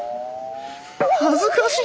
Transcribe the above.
恥ずかしい！